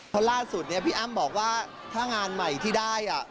เพราะล่าสุดเนี่ยพี่อ้ำบอกว่าถ้างานใหม่ที่ได้